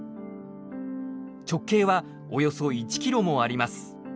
直径はおよそ１キロもあります。